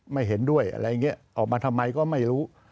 ไม่เห็นด้วยอะไรอย่างนี้ออกมาทำไมก็ไม่รู้